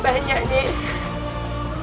terima kasih banyak nisa